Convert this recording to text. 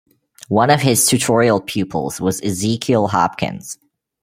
One of his tutorial pupils was Ezekiel Hopkins.